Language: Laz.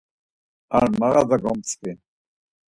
Ar mağaza gomtzi.